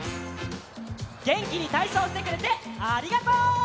げんきにたいそうしてくれてありがとう！